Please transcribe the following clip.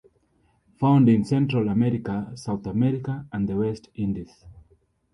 Found in Central America, South America and the West Indies.